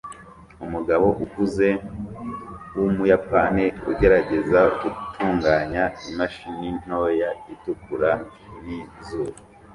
Umugabo ukuze wumuyapani ugerageza gutunganya imashini ntoya itukura nizuru